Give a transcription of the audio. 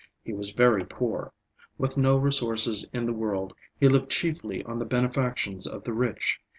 He was very poor. With no resources in the world, he lived chiefly on the benefactions of the rich.